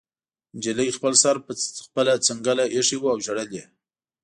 نجلۍ خپل سر په خپله څنګله ایښی و او ژړل یې